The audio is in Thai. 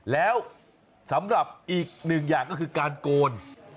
แล้วสำหรับอีกหนึ่งอย่างก็คือการโกน